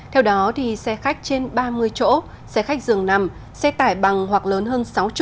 theo đó xe khách trên ba mươi chỗ xe khách dường nằm xe tải bằng hoặc lớn hơn sáu trăm linh